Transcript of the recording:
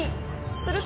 すると。